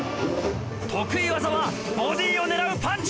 得意技はボディーを狙うパンチ！